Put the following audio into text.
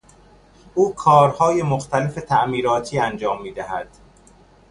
او کارهای مختلف تعمیراتی انجام میدهد.